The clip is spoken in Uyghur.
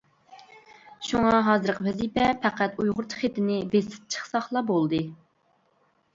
شۇڭا ھازىرقى ۋەزىپە پەقەت ئۇيغۇرچە خېتىنى بېسىپ چىقساقلا بولدى.